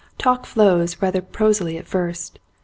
Talk flows rather prosily at first.